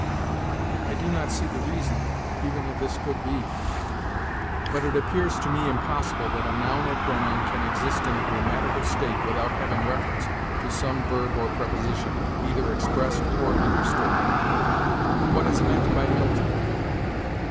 I do not see the reason, even if this could be; but it appears to me impossible that a noun or pronoun can exist in a grammatical state without having reference to some verb or preposition, either expressed or understood. What is meant by Milton?